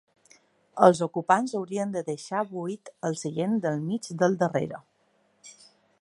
Els ocupants haurien de deixar buit el seient del mig del darrere.